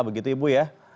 begitu ibu ya